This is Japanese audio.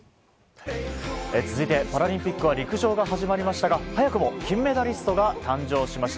続いてパラリンピックは陸上が始まりましたが早くも金メダリストが誕生しました。